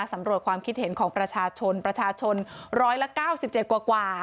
สำรวจความคิดเห็นของประชาชนประชาชน๑๙๗กว่า